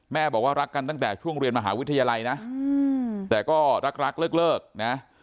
บอกว่ารักกันตั้งแต่ช่วงเรียนมหาวิทยาลัยนะแต่ก็รักเลิกนะ